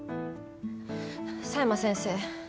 佐山先生。